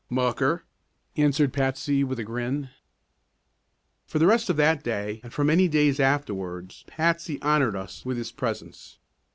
"Mucker," answered Patsy with a grin. For the rest of that day and for many days afterwards Patsy honored us with his presence.